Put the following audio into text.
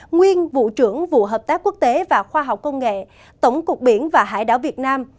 nguyên vụ trưởng vụ hợp tác quốc tế và khoa học công nghệ tổng cục biển và hải đảo việt nam